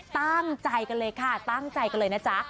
ตั้งใจกันเลยค่ะตั้งใจกันเลยนะจ๊ะ